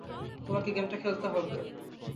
তোমাকে গেমটা খেলতে হবে।